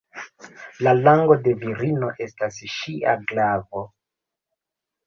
La lango de virino estas ŝia glavo.